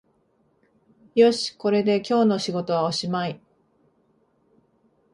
よし、これで今日の仕事はおしまい